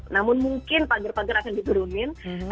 namun mungkin pagir pagir akan diberumin